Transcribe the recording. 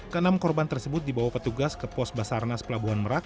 kenam korban tersebut dibawa petugas ke pos basarnas pelabuhan merak